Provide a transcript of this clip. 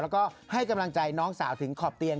แล้วก็ให้กำลังใจน้องสาวถึงขอบเตียง